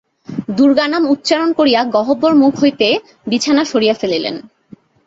দুর্গানাম উচ্চারণ করিয়া গহ্বরমুখ হইতে বিছানা সরাইয়া ফেলিলেন।